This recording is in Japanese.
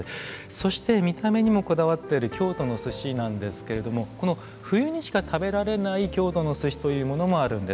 そして見た目にもこだわっている京都の寿司なんですけれどもこの冬にしか食べられない京都の寿司というものもあるんです。